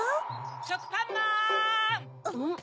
・しょくぱんまん！